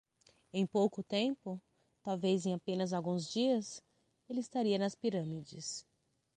Em pouco tempo? talvez em apenas alguns dias? ele estaria nas pirâmides.